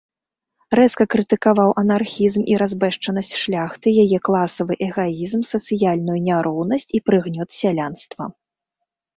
Рэзка крытыкаваў анархізм і разбэшчанасць шляхты, яе класавы эгаізм, сацыяльную няроўнасць і прыгнёт сялянства.